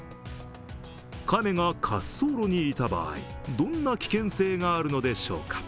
亀が滑走路にいた場合どんな危険性があるのでしょうか？